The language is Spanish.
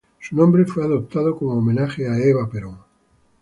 Su nombre fue adoptado como homenaje a Eva Perón.